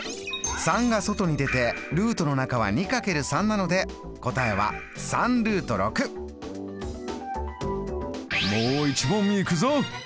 ３が外に出てルートの中は２×３なので答えはもう一問いくぞ！